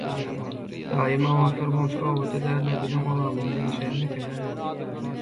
Daýym o wagtlar goňşy obada däl-de biziň obamyzda ýaşaýan eken.